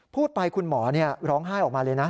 พูดไปคุณหมอร้องไห้ออกมาเลยนะ